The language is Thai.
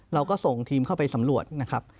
เราก็ส่งทีมเข้าไปสำรวจนะครับ